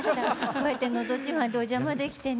こうやって「のど自慢」でお邪魔できてね。